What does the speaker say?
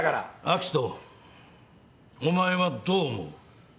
明人お前はどう思う？